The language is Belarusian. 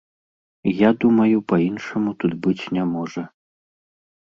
І я думаю, па-іншаму тут быць не можа.